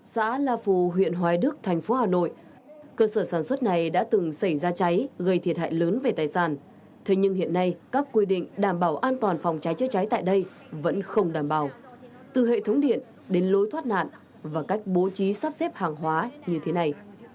xã la phù huyện hoài đức thành phố hà nội cơ sở sản xuất này đã từng xảy ra cháy gây thiệt hại lớn về tài sản thế nhưng hiện nay các quy định đảm bảo an toàn phòng cháy chữa cháy tại đây vẫn không đảm bảo từ hệ thống điện đến lối thoát nạn và cách bố trí sắp xếp hàng hóa như thế này